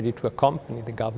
giúp chính phủ làm việc